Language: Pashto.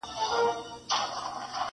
• د خیر تمه به نه کوی له تورو خړو وریځو -